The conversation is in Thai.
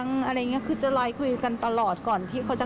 คือน้องเขาก็เป็นตามวัยของเขา